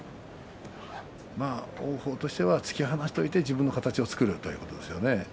王鵬としては突き放しておいて自分の形を作るということですね。